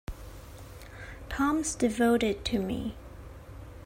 Tom's devoted to me.